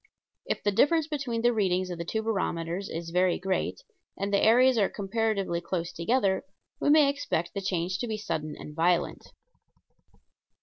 If the difference between the readings of the two barometers is very great, and the areas are comparatively close together, we may expect the change to be sudden and violent.